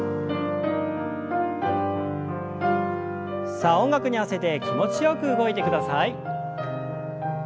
さあ音楽に合わせて気持ちよく動いてください。